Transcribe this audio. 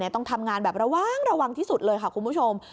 ต้องทำงานแบบระวังระวังที่สุดเลยค่ะคุณผู้ชม